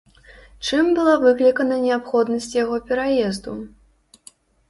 Чым была выклікана неабходнасць яго пераезду?